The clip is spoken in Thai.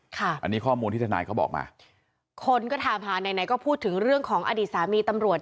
ค่ะอันนี้ข้อมูลที่ทนายเขาบอกมาคนก็ถามหาไหนไหนก็พูดถึงเรื่องของอดีตสามีตำรวจ